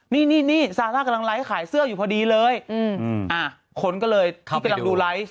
นี่นี่นี่ซาร่ากำลังไลค์ขายเสื้ออยู่พอดีเลยอืมอ่าคนก็เลยเขากำลังดูไลค์